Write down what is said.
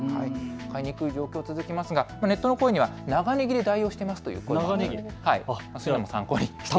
買いにくい状況、続きますがネットの声には長ねぎで代用しているという声もありました。